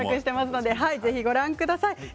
ぜひ、ご覧ください。